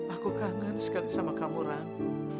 aku kangen sekali sama kamu ran